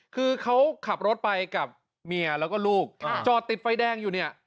คือเขาขับรถไปกับเมียแล้วก็ลูกจอดติดไฟแดงอยู่เนี่ย